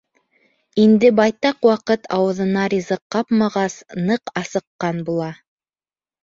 Инде байтаҡ ваҡыт ауыҙына ризыҡ ҡапмағас, ныҡ асыҡҡан була.